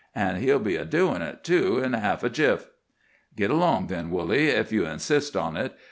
An' he'll be doin' it, too, in half a jiff." "Git along, then, Woolly, if ye insist on it.